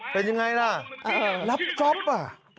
เป็นยังไงล่ะรับจ๊อปอ่ะ